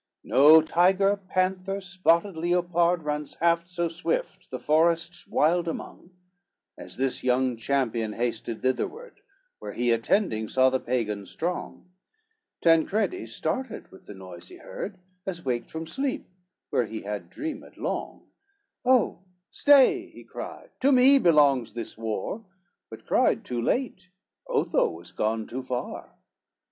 XXX No tiger, panther, spotted leopard, Runs half so swift, the forests wild among, As this young champion hasted thitherward, Where he attending saw the Pagan strong: Tancredi started with the noise he heard, As waked from sleep, where he had dreamed long, "Oh stay," he cried, "to me belongs this war!" But cried too late, Otho was gone too far.